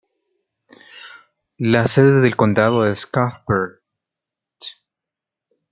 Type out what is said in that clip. La sede del condado es Cuthbert.